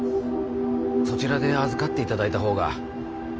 そちらで預かって頂いたほうが。